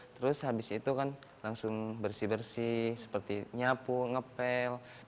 terus habis itu kan langsung bersih bersih seperti nyapu ngepel